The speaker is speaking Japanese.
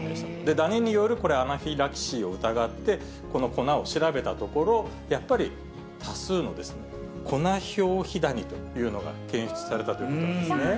ダニによるアナフィラキシーを疑って、この粉を調べたところ、やっぱり多数のコナヒョウヒダニというのが検出されたということなんですね。